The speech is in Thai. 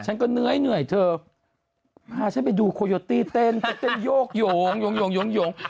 ฉันก็เหนื่อยเหนื่อยเธอพาฉันไปดูโคโยตี้เต้นเต้นโยกหยงหยงหยงหยงหยง